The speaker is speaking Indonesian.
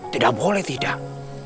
tidak boleh tidak